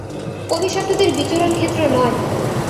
অভিশপ্তদের বিচরণক্ষেত্র নয়।